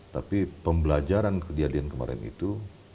tapi pembelajaran kejadian kemarin itu